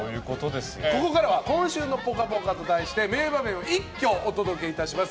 ここからは「今週のぽかぽか」と題して名場面を一挙お届けいたします。